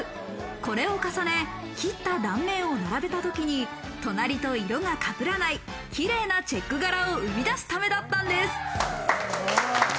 これを重ね、切った断面を並べたときに隣と色がかぶらない、キレイなチェック柄を生み出すためだったんです。